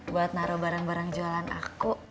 buat naruh barang barang jualan aku